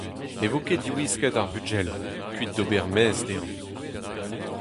Ne vo ket diwisket ar bugel, kuit d'ober mezh dezhañ.